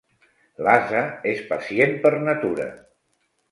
L'ase és pacient per natura.